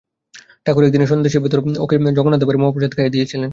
ঠাকুর একদিন সন্দেশের ভেতর করে ওঁকে জগন্নাথদেবের মহাপ্রসাদ খাইয়ে দিয়েছিলেন।